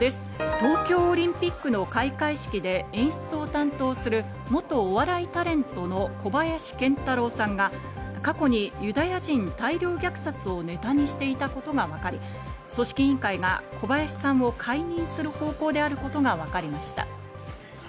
東京オリンピックの開会式で演出を担当する元お笑いタレントの小林賢太郎さんが過去にユダヤ人大量虐殺をネタにしていたことが分かり、組織委員会が小林さんを解任する方向であることが分かりました。